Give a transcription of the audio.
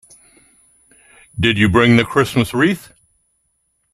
Did you bring the Christmas wreath?